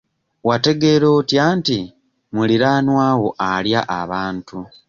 Wategeera otya nti muliraanwa wo alya abantu?